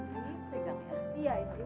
tapi jangan dirasain